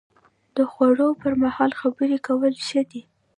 د خوړو پر مهال خبرې کول ښه دي؟